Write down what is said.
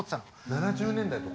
７０年代とか？